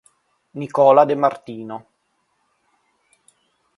Nicola De Martino